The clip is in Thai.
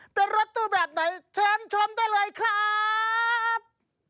เป็นรถตู้แบบไหนเชิญชมได้เลยครับ